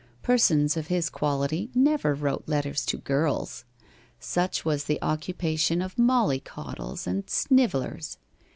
Persons of his quality never wrote letters to girls. Such was the occupation of mollycoddles and snivellers.